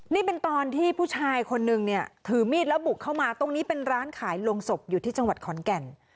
นี่เป็นตอนที่ผู้ชายคนนึงเนี่ยถือมีดแล้วบุกเข้ามาตรงนี้เป็นร้านขายลงศพอยู่ที่จังหวัดขอนแก่น